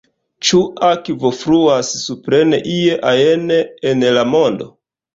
Ĉu akvo fluas supren ie ajn en la mondo?